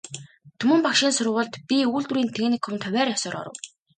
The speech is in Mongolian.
Түмэн багшийн сургуульд, би үйлдвэрийн техникумд хувиар ёсоор оров.